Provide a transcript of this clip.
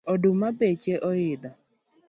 Oduma beche oidho